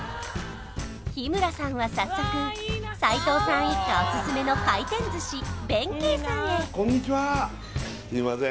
日村さんは早速斉藤さん一家オススメの廻転寿司弁慶さんへこんにちはすいません